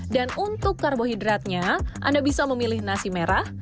dan untuk karbohidratnya anda bisa memilih nasi merah